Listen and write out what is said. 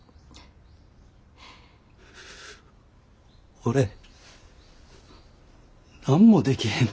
俺何もできへんで。